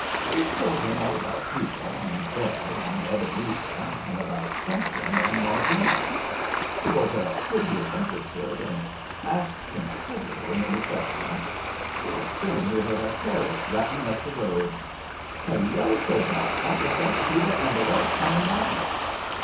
We told him all about Peter, and Belle, and Ebenezer, and about Stumpton and Maudina. He was a good deal interested, and asked consider'ble many questions. Pretty soon we heard a carriage rattling up the road. "Hello!" says I. "I guess that's Peter and the rest coming now."